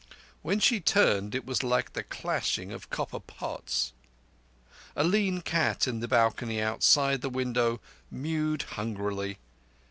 When she turned it was like the clashing of copper pots. A lean cat in the balcony outside the window mewed hungrily.